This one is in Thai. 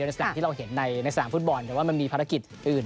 ในสถานที่เราเห็นในสถาน